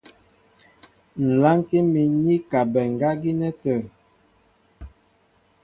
Ŋ̀ lánkí mín i kabɛ ŋgá gínɛ́ tə̂.